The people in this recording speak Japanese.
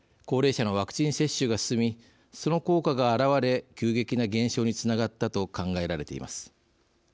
高齢者のワクチン接種が進みその効果が現れ、急激な減少につながったと考えられています。